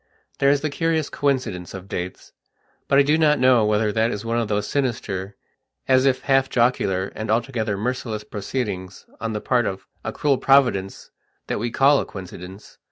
There is the curious coincidence of dates, but I do not know whether that is one of those sinister, as if half jocular and altogether merciless proceedings on the part of a cruel Providence that we call a coincidence.